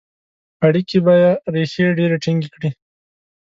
اړیکي به ریښې ډیري ټینګي کړي.